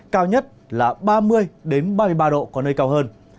cao nhất là ba mươi ba mươi ba độ có nơi cao hơn